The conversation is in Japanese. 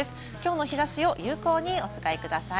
きょうの日差しを有効にお使いください。